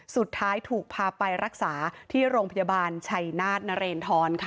สุดท้ายถูกพาไปรักษาที่โรงพยาบาลชัยนาธนเรนทรค่ะ